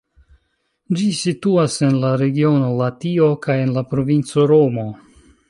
Ĝi situas en la regiono Latio kaj en la provinco Romo.